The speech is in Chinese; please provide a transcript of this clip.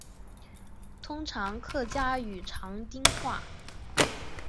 通用客家语长汀话。